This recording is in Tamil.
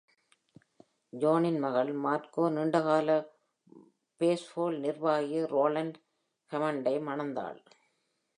ஜானின் மகள் மார்கோ நீண்டகால பேஸ்பால் நிர்வாகி ரோலண்ட் ஹெமண்டை மணந்தாள்.